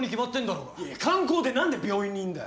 いや観光で何で病院にいんだよ。